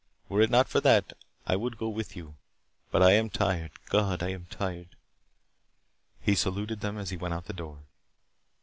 Were it not for that, I would go with you. But I am tired. God, I'm tired " He saluted them as he went out the door.